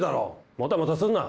もたもたすんな。